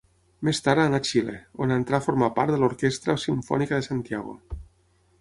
Més tard, anà a Xile, on entrà a formar part de l'Orquestra Simfònica de Santiago.